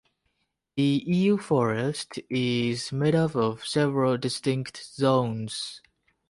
The Eu forest is made up of several distinct zones.